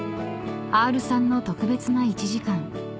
［アールさんの特別な１時間］